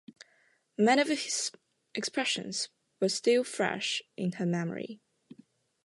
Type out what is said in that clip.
Many of his expressions were still fresh in her memory.